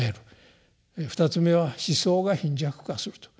二つ目は思想が貧弱化すると。